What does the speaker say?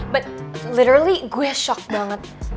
tapi secara langsung gue shock banget